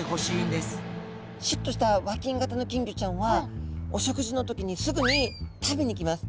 シュッとした和金型の金魚ちゃんはお食事の時にすぐに食べにきます。